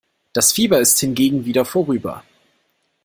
Das Fieber ist hingegen wieder vorüber.